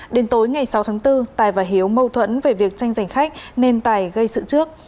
đến tối ngày sáu tháng bốn tài và hiếu mâu thuẫn về việc tranh giành khách nên tài gây sự trước